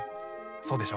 そうでしょう。